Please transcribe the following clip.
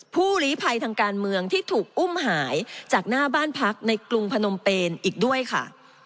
ผู้หลีภัยทางการเมืองที่ถูกอุ้มหายจากหน้าบ้านพักในกรุงพนมเปนอีกด้วยค่ะ